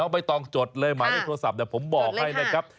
ไม่ต้องจดเลยหมายเลขโทษัพแต่ผมบอกให้นะครับ